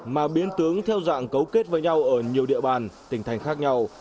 mà biến tướng theo dạng cấu kết với nhau ở nhiều địa bàn tỉnh thành khác nhau